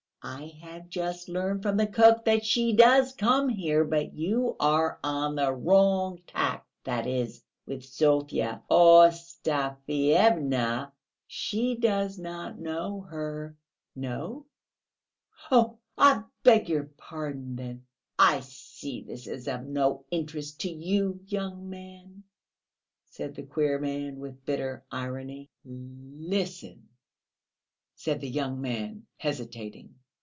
"I have just learned from the cook that she does come here; but you are on the wrong tack, that is, with Sofya Ostafyevna ... she does not know her...." "No? Oh ... I beg your pardon, then...." "I see this is of no interest to you, young man," said the queer man, with bitter irony. "Listen," said the young man, hesitating.